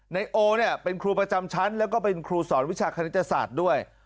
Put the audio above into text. นายโอเนี่ยเป็นครูประจำชั้นแล้วก็เป็นครูสอนวิชาคณิตศาสตร์ด้วย